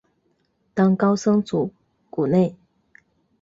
当高僧祖古内。